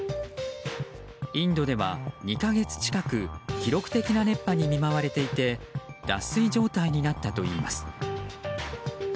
インドでは２か月近く記録的な熱波に見舞われていて脱水状態になったといいます。